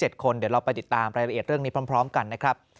เดี๋ยวเราไปติดตามรายละเอียดเรื่องนี้พร้อมกันนะครับ